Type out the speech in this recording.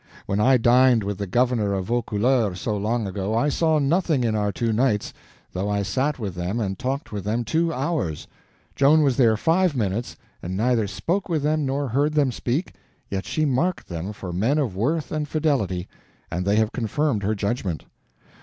When I dined with the governor of Vaucouleurs so long ago, I saw nothing in our two knights, though I sat with them and talked with them two hours; Joan was there five minutes, and neither spoke with them nor heard them speak, yet she marked them for men of worth and fidelity, and they have confirmed her judgment.